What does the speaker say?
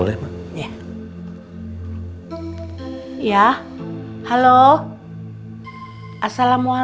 enggak gak apa apa